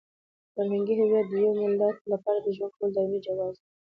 فرهنګي هویت د یو ملت لپاره د ژوند کولو دایمي جواز دی.